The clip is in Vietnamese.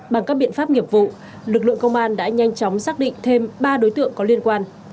bằng các biện pháp nghiệp vụ lực lượng công an đã nhanh chóng xác định thêm ba đối tượng có liên quan